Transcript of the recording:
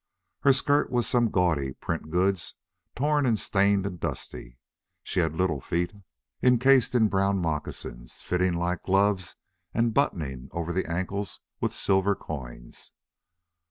Her skirt was some gaudy print goods, torn and stained and dusty. She had little feet, incased in brown moccasins, fitting like gloves and buttoning over the ankles with silver coins.